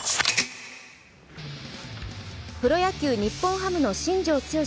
プロ野球、日本ハムの新庄剛志